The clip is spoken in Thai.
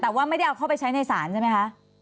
แต่ว่าไม่ได้เอาเข้าไปใช้ในศาลใช่ไหมคะ